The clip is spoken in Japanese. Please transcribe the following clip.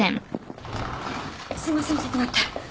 すいません遅くなって。